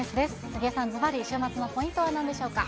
杉江さん、ずばり、週末のポイントはなんでしょうか。